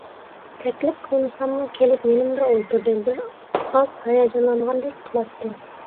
تەكلىپ قىلمىساممۇ كېلىپ يېنىمدا ئولتۇردى، بىر ئاز ھاياجانلانغاندەك قىلاتتى.